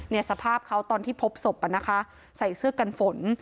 สภาพเขาตอนที่พบศพอ่ะนะคะใส่เสื้อกันฝน